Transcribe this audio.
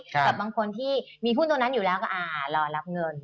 กับบางคนที่มีหุ้นตัวนั้นอยู่แล้วก็รอรับเงิน